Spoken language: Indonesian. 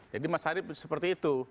jadi mas arief seperti itu